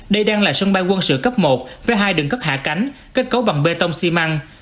đây đang là sân bay quân sự cấp một với hai đường cất hạ cánh kết cấu bằng bê tông xi măng